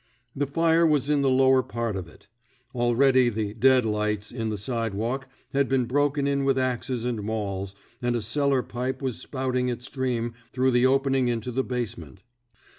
The fire was in the lower part of it. Already the deadlights " in the side walk had been broken in with axes and mauls, and a cellar pipe was spouting its stream through the opening into the basement.